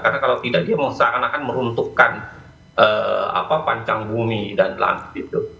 karena kalau tidak dia akan meruntuhkan pancang bumi dan langit itu